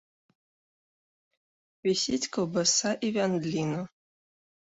Вісіць каўбаса і вяндліна.